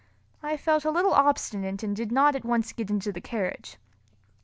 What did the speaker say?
I felt a little obstinate and did not at once get into the carriage.